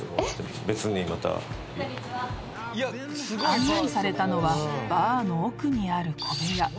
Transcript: ［案内されたのはバーの奥にある小部屋］